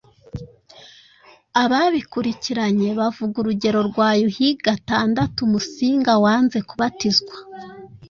Ababikurikiranye bavuga urugero rwa Yuhi gatandatu Musinga wanze kubatizwa